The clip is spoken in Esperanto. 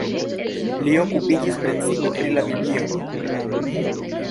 Li okupiĝis precipe pri la Biblio.